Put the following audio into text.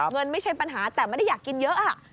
ไม่ใช่ปัญหาแต่ไม่ได้อยากกินเยอะ